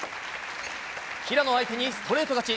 平野相手にストレート勝ち。